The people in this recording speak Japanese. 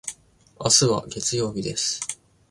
今日は月曜日です。